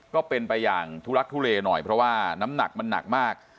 ก็เป็นไปอย่างทุลักทุเลหน่อยเพราะว่าน้ำหนักมันหนักมาก